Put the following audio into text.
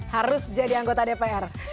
harus jadi anggota dpr